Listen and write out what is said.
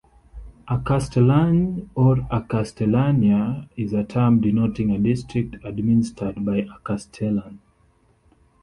A castellany, or castellania, is a term denoting a district administered by a castellan.